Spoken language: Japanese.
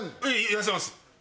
痩せます。